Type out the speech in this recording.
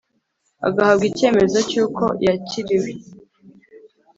Agahabwa icyemezo cy uko yakiriwe